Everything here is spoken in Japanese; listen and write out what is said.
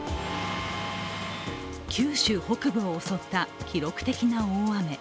九州北部を襲った記録的な大雨。